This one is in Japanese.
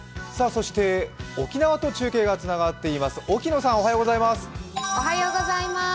そして沖縄と中継がつながっています、沖野さん、おはようございます。